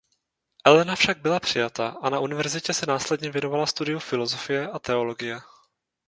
Elena však byla přijata a na univerzitě se následně věnovala studiu filozofie a teologie.